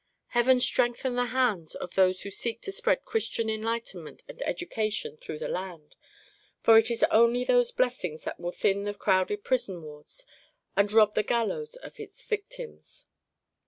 Heaven strengthen the hands of those who seek to spread Christian enlightenment and education through the land! for it is only those blessings that will thin the crowded prison wards, and rob the gallows of its victims.